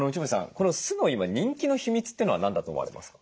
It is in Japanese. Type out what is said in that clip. この酢の今人気の秘密ってのは何だと思われますか？